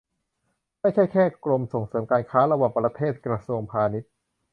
ไม่ใช่แค่ กรมส่งเสริมการค้าระหว่างประเทศ กระทรวงพาณิชย์